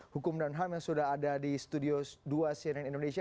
hukum dan ham yang sudah ada di studio dua cnn indonesia